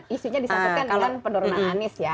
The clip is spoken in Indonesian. isunya disambutkan dengan penurunan anies ya